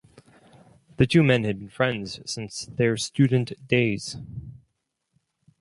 The two men had been friends since their student days.